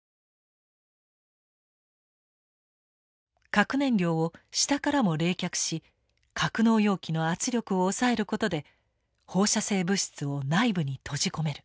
核燃料を下からも冷却し格納容器の圧力を抑えることで放射性物質を内部に閉じ込める。